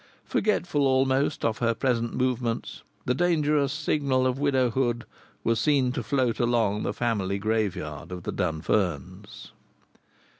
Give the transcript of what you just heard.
Forgetful almost of her present movements, the dangerous signal of widowhood was seen to float along the family graveyard of the Dunferns.